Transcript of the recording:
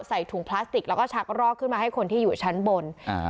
ใส่ถุงพลาสติกแล้วก็ชักรอกขึ้นมาให้คนที่อยู่ชั้นบนอ่า